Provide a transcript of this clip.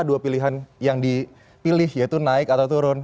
dua pilihan yang dipilih yaitu naik atau turun